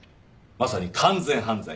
まさに完全犯罪。